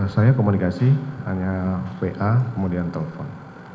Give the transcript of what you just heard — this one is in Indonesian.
saya komunikasi hanya wa kemudian telepon